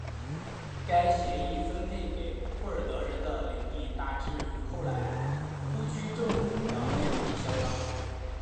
该协议分配给库尔德人的领地大致与后来库区政府的领地相当。